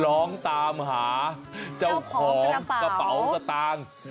ร้องตามหาเจ้าของกระเป๋าสตางค์